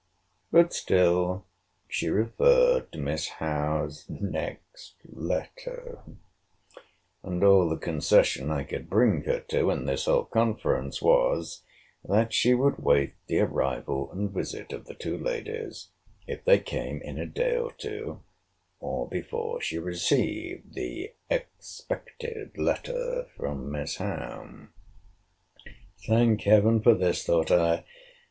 But still she referred to Miss Howe's next letter; and all the concession I could bring her to in this whole conference, was, that she would wait the arrival and visit of the two ladies, if they came in a day or two, or before she received the expected letter from Miss Howe. Thank Heaven for this! thought I.